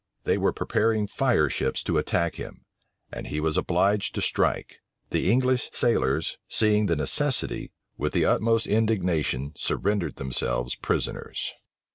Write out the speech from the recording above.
They were preparing fireships to attack him, and he was obliged to strike. The English sailors, seeing the necessity, with the utmost indignation surrendered themselves prisoners.